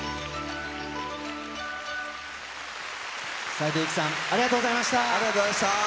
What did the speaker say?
斉藤由貴さん、ありがとうごありがとうございました。